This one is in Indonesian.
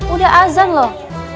udah azan loh